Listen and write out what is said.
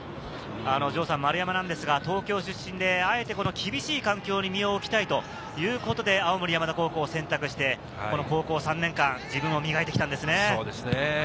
丸山ですが東京出身で、あえて厳しい環境に身を置きたいということで、青森山田高校を選択して、高校３年間、自分を磨いてきたんですね。